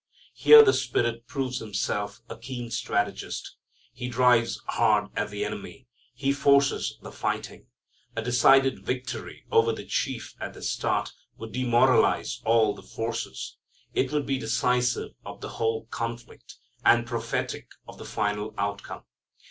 Here the Spirit proves Himself a keen strategist. He drives hard at the enemy. He forces the fighting. A decided victory over the chief at the start would demoralize all the forces. It would be decisive of the whole conflict, and prophetic of the final outcome.